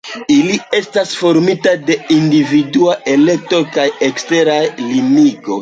Ili estas formitaj de individuaj elektoj kaj eksteraj limigoj.